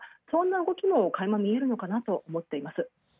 そんな動きもかいまみえるのかなと思っています。